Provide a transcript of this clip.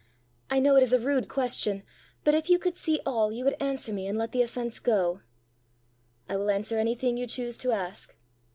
I know it is a rude question, but if you could see all, you would answer me and let the offence go." "I will answer you anything you choose to ask."